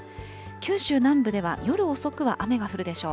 九州南部では夜遅くは雨が降るでしょう。